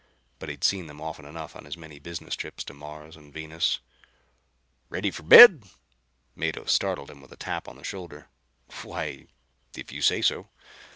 But he'd seen them often enough on his many business trips to Mars and Venus. "Ready for bed?" Mado startled him with a tap on the shoulder. "Why if you say so.